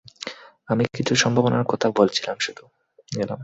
আমি কিছু সম্ভাবনার কথা বলছিলাম শুধু!